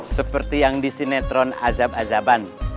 seperti yang di sinetron azab azaban